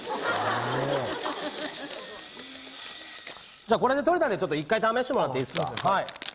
じゃあこれで取れたんで１回試してもらっていいですか？